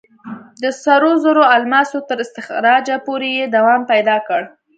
د سرو زرو او الماسو تر استخراجه پورې یې دوام پیدا کړ.